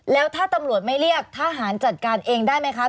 แล้วถ้าตำรวจไม่เรียกทหารจัดการเองได้ไหมคะ